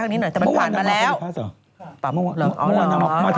ได้ออกแผนกันไปหนึ่ง